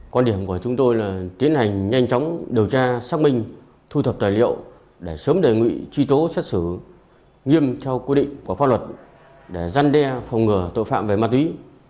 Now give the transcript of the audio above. quan điểm của chúng tôi là tiến hành nhanh chóng điều tra xác minh thu thập tài liệu để sớm đề nghị truy tố xét xử nghiêm theo quy định của pháp luật để dăn đe phòng ngừa tội phạm về ma túy